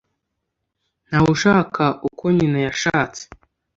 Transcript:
Ntawe ushaka uko nyina yashatse.